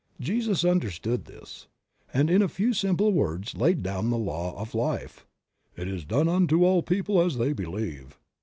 Jesus understood this, and in a few simple words, laid down the law of life: "It is done unto all people as they believe."